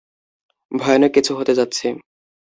ভয়ানক কিছু হতে যাচ্ছে!